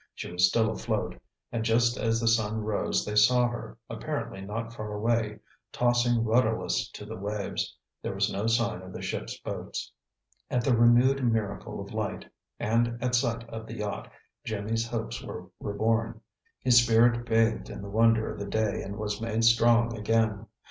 She was still afloat, and just as the sun rose they saw her, apparently not far away, tossing rudderless to the waves. There was no sign of the ship's boats. At the renewed miracle of light, and at sight of the yacht, Jimmy's hopes were reborn. His spirit bathed in the wonder of the day and was made strong again.